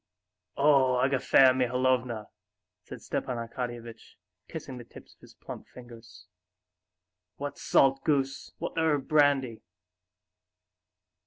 "Oh, Agafea Mihalovna," said Stepan Arkadyevitch, kissing the tips of his plump fingers, "what salt goose, what herb brandy!...